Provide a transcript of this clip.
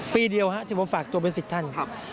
ปีเดียวที่ผมฝากตัวเป็นสิทธิ์ท่าน